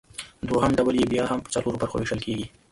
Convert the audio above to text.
دوهم ډول یې بیا هم پۀ څلورو برخو ویشل کیږي